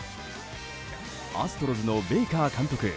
アストロズのベイカー監督。